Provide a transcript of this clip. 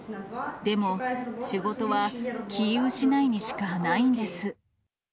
でも、仕事はキーウ市内にしかないんです。